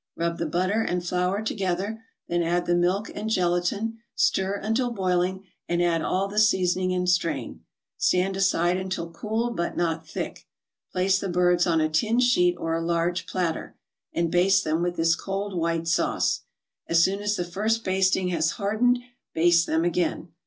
Rub the butter and flour together, then add the milk and gelatin, stir until boiling, and add all the seasoning and strain. Stand aside until cool, but not thick. Place the birds on a tin sheet or a large platter, and baste them with this cold white sauce. As soon as the first basting has hardened, baste them again.